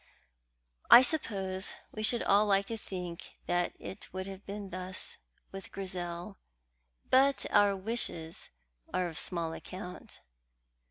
I suppose we should all like to think that it would have been thus with Grizel, but our wishes are of small account.